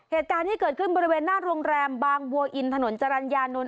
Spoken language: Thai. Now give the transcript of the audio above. เหตุการณ์ที่เกิดขึ้นบริเวณหน้าโรงแรมบางบัวอินถนนจรรยานนท